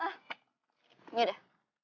ah ini udah